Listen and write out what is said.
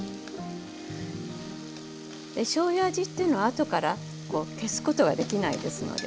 しょうゆ味っていうのは後から消すことができないですので。